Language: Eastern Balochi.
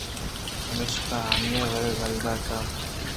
پمیشا آئی ءَ وَرَگ یلہ دات